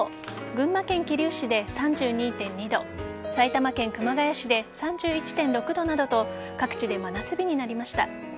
群馬県桐生市で３２．２度埼玉県熊谷市で３１．６度などと各地で真夏日になりました。